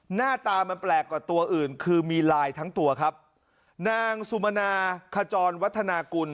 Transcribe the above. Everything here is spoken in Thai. หน้าตามันแปลกกว่าตัวอื่นคือมีลายทั้งตัวครับนางสุมนาขจรวัฒนากุล